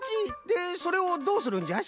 でそれをどうするんじゃ？